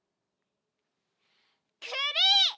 くり！